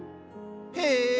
へえ。